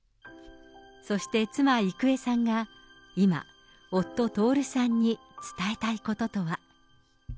そして、妻、郁恵さんが、今、夫、徹さんに伝えたいこととは。